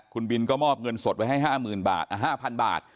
คุณบินก็มอบเงินสดไว้ให้๕๐๐บาท